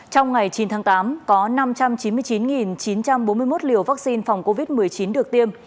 trong ngày chín tháng tám có năm trăm chín mươi chín chín trăm bốn mươi một liều vaccine phòng covid một mươi chín được tiêm